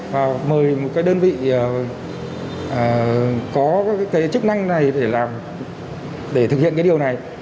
và mời một cái đơn vị có cái chức năng này để làm để thực hiện cái điều này